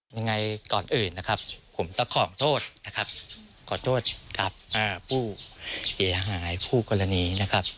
ยังไงก่อนอื่นนะครับผมต้องขอโทษนะครับขอโทษกับผู้เสียหายผู้กรณีนะครับ